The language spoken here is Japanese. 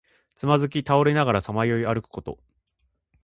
つまずき倒れながらさまよい歩くこと。